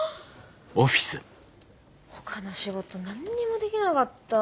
ほかの仕事何にもできなかった。